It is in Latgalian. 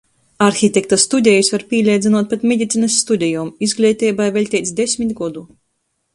Arhitekta studejis var pīleidzynuot pat medicinys studejom – izgleiteibai veļteits desmit godu.